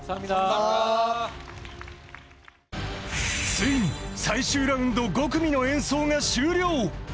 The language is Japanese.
ついに最終ラウンド５組の演奏が終了。